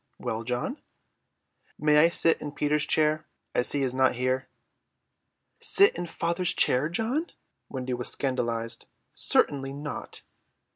"Well, John?" "May I sit in Peter's chair, as he is not here?" "Sit in father's chair, John!" Wendy was scandalised. "Certainly not."